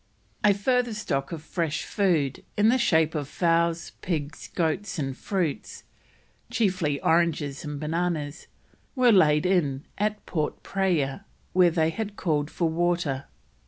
A further stock of fresh food in the shape of fowls, pigs, goats, and fruits chiefly oranges and bananas was laid in at Port Praya, where they had called for water.